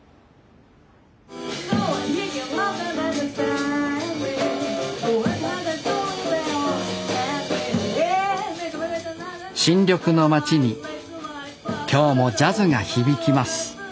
新緑の街に今日もジャズが響きます